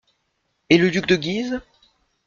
Et le duc de Guise ?